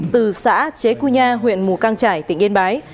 từ xã chế cua nha huyện mù căng trải tỉnh yên bái